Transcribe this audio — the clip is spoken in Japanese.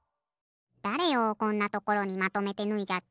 だれよこんなところにまとめてぬいじゃって。